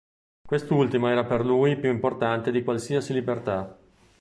Quest'ultima era per lui più importante di qualsiasi libertà.